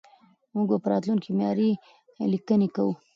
موږ به په راتلونکي کې معياري ليکنې کوو.